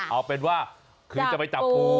เอาเป็นว่าคือจะไปจับปู